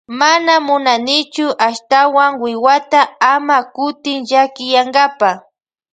Mana munanichu ashtawan wiwata ama kutin llakiyankapa.